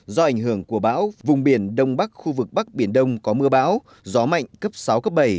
do ảnh hưởng của bão vùng biển đông bắc khu vực bắc biển đông có mưa bão gió mạnh cấp sáu cấp bảy